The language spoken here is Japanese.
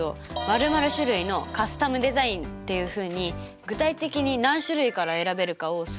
○○種類のカスタムデザイン！」っていうふうに具体的に何種類から選べるかを数字を入れてみたらどうですか？